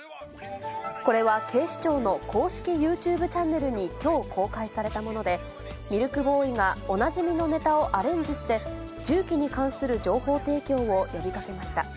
これは警視庁の公式ユーチューブチャンネルにきょう公開されたもので、ミルクボーイがおなじみのネタをアレンジして、銃器に関する情報提供を呼びかけました。